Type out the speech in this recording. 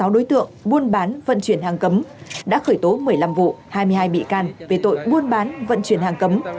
sáu đối tượng buôn bán vận chuyển hàng cấm đã khởi tố một mươi năm vụ hai mươi hai bị can về tội buôn bán vận chuyển hàng cấm